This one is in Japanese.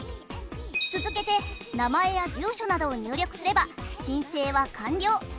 続けて名前や住所などを入力すれば申請は完了。